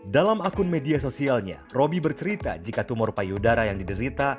dalam akun media sosialnya roby bercerita jika tumor payudara yang diderita